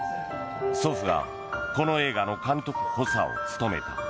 祖父がこの映画の監督補佐を務めた。